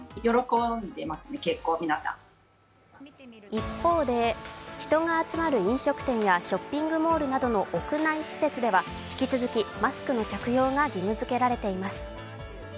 一方で、人が集まる飲食店やショッピングモールなどの屋内施設では引き続き、マスクの着用が義務づけられています。